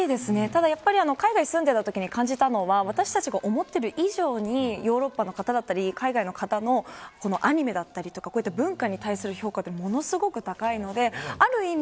ただ、海外に住んでいたときに感じたのは私たちが思っている以上に海外の方の、アニメだったり文化に対する評価はものすごく高いのである意味